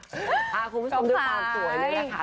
คุณผู้ชมด้วยความสวยนี่แหละค่ะ